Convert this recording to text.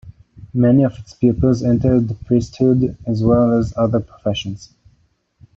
Many of its pupils entered the priesthood as well as other professions.